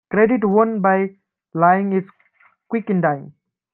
Credit won by lying is quick in dying.